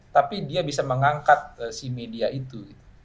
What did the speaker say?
tapi dia bisa mengangkat si media itu